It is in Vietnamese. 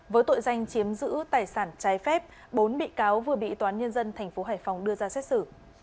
với tội danh chiếm giữ tài sản trái phép bốn bị cáo vừa bị toán nhân dân tp hải phòng đưa ra xét xử